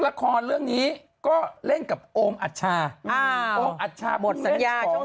ละครเรื่องนี้ก็เล่นกับโอมอัชชาโอมอัชชาบทสัญญาของ